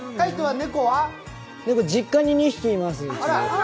猫、実家に２匹います；。